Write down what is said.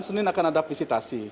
senin akan ada visitasi